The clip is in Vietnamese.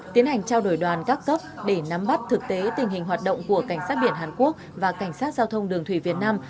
tiến hành trao đổi đoàn các cấp để nắm bắt thực tế tình hình hoạt động của cảnh sát biển hàn quốc và cảnh sát giao thông đường thủy việt nam